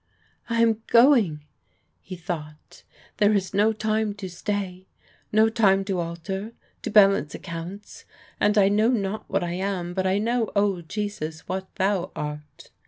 "I am going," he thought; "there is no time to stay, no time to alter, to balance accounts; and I know not what I am, but I know, O Jesus, what THOU art.